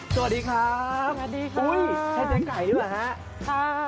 สวัสดีครับโอ๊ยใช่เจ๊ไก่หรือเปล่าฮะ